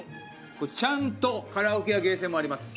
ちゃんとカラオケやゲーセンもあります。